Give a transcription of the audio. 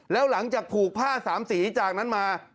แล้วหลังจากผูกผ้าสามสีจากนั้นมา